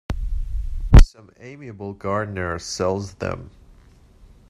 Some amiable gardener sells them.